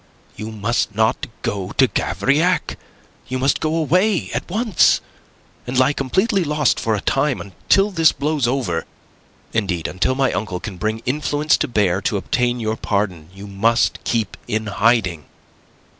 You must not go to Gavrillac. You must go away at once, and lie completely lost for a time until this blows over. Indeed, until my uncle can bring influence to bear to obtain your pardon, you must keep in hiding."